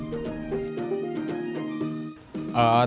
tari yang ini sudah lama